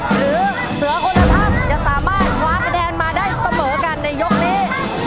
หรือเสือคนละถ้ำจะสามารถคว้าคะแนนมาได้เสมอกันในยกนี้